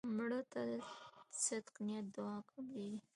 مړه ته د صدق نیت دعا قبلیږي